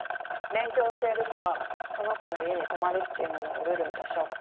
「勉強教える日はその子の家に泊まる」っていうのもルールに足しちゃおう。